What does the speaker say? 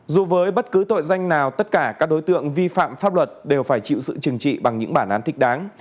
dù với bất cứ tội danh nào tất cả các đối tượng vi phạm pháp luật đều phải chịu sự chừng trị bằng những bản án thích đáng